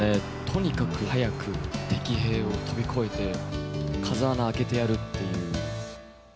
とにかく速く敵兵を飛び越えて、風穴開けてやるっていう。